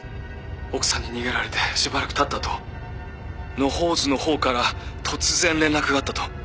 奥さんに逃げられてしばらくたった後野放図の方から突然連絡があったと。